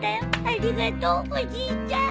ありがとうおじいちゃん。